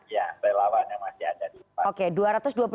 iya relawan yang masih ada di empat